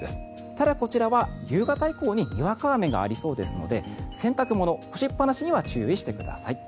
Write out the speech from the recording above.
ただ、こちらは夕方以降ににわか雨がありそうですので洗濯物、干しっぱなしには注意してください。